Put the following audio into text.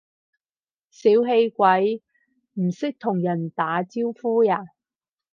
小氣鬼，唔識同人打招呼呀？